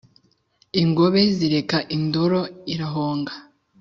ingohe zireka indoro irahonga